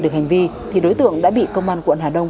được hành vi thì đối tượng đã bị công an quận hà đông